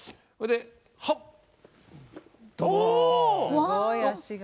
すごい足が。